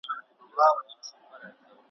کله کله به یې ویني کړه مشوکه ,